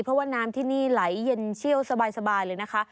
เพราะว่าน้ำที่นี่ไหลเย็นเชี่ยวสบายเลยนะคะ